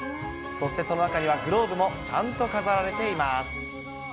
そして、その中にはグローブもちゃんと飾られています。